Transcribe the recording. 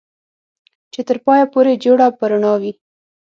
چې تر پايه پورې جوړه په رڼا وي